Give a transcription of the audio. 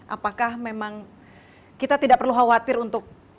apakah memang kita tidak perlu khawatir untuk